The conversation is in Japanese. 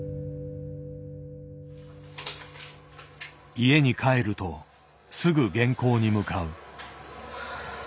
家に帰るとすぐ原稿に向かう。